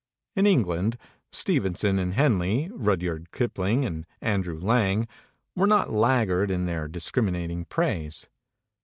In England, Stevenson and 287 MEMORIES OF MARK TWAIN Henley, Rudyard Kipling and Andrew Lang were not laggard in their discriminating praise.